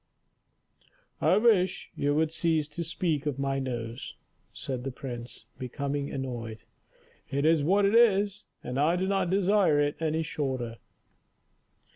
"I wish you would cease to speak of my nose," said the prince, becoming annoyed. "It is what it is, and I do not desire it any shorter."